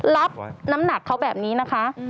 รับน้ำหนักเขาแบบนี้นะคะ